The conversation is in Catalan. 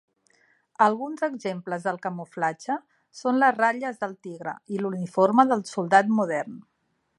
Alguns exemples del camuflatge són les ratlles del tigre i l'uniforme del soldat modern.